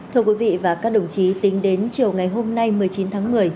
thưa quý vị và các đồng chí tính đến chiều ngày hôm nay một mươi chín tháng một mươi